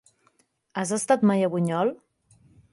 Has estat mai a Bunyol?